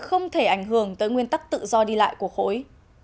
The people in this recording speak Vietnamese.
không thể ảnh hưởng tới nguyên tắc tự do đi lại của khối